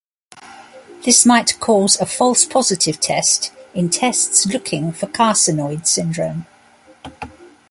This might cause a false positive test in tests looking for carcinoid syndrome.